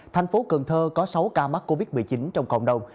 thành phố cần thơ có sáu ca mắc covid một mươi chín trong cộng đồng